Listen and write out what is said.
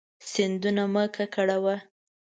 سیندونه مه ککړوه.